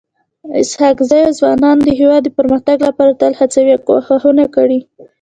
اسحق زي ځوانانو د هيواد د پرمختګ لپاره تل هڅي او کوښښونه کړي.